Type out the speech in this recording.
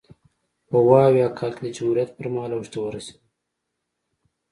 په ویا اویا کال کې د جمهوریت پرمهال اوج ته ورسېدل.